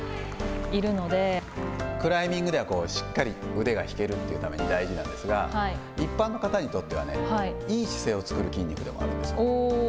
腕が引けるというために大事なんですが、一般の方にとってはね、いい姿勢を作る筋肉でもあるんです。